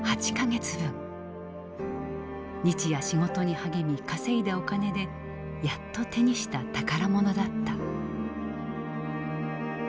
日夜仕事に励み稼いだお金でやっと手にした宝物だった。